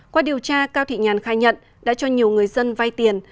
qua điều tra cao thị nhàn khai nhận đã cho nhiều người dân vay tiền